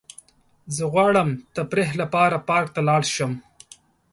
زه غواړم تفریح لپاره پارک ته لاړ شم.